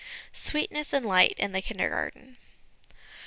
' Sweetness and Light ' in the Kindergarten.